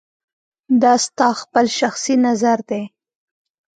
دا ستا خپل شخصي نظر دی